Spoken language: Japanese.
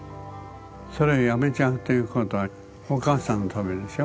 それをやめちゃうということはお母さんのためでしょ。